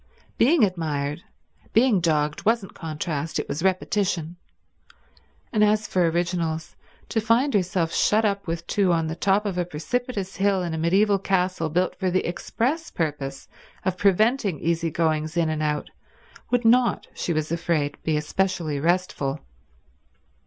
Being admired, being dogged, wasn't contrast, it was repetition; and as for originals, to find herself shut up with two on the top of a precipitous hill in a medieval castle built for the express purpose of preventing easy goings out and in, would not, she was afraid, be especially restful.